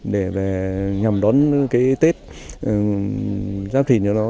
để nhằm đón tết giáp thỉnh cho nó